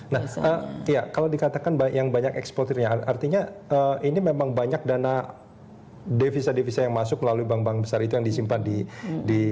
nah kalau dikatakan yang banyak ekspornya artinya ini memang banyak dana devisa devisa yang masuk melalui bank bank besar itu yang disimpan di